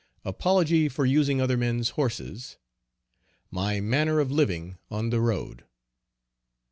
Apology for using other men's horses. My manner of living on the road.